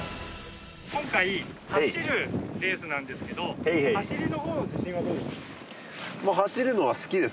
今回走るレースなんですけど走りの方の自信はどうですか？